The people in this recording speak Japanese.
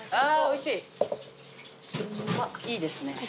いいですね。